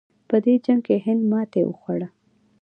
په دې جنګ کې هند ماتې وخوړه.